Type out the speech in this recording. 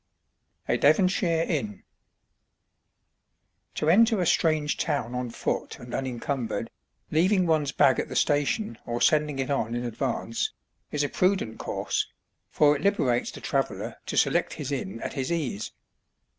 A DEVONSHIRE INN To enter a strange town on foot and unencumbered leaving one's bag at the station or sending it on in advance is a prudent course, for it liberates the traveller to select his inn at his ease.